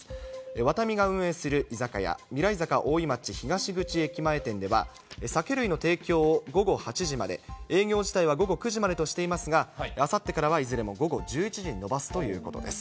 ワタミが運営する居酒屋、ミライザカ大井町東口駅前店では、酒類の提供を午後８時まで、営業自体は午後９時までとしていますが、あさってからはいずれも午後１１時に延ばすということです。